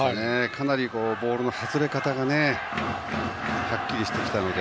かなりボールの外れ方がはっきりしてきたので。